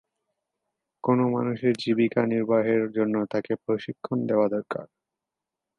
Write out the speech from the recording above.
কোন মানুষের জীবিকা নির্বাহের জন্য তাকে প্রশিক্ষণ দেওয়া দরকার।